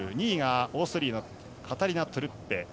２位がオーストリアのカタリナ・トルッペ。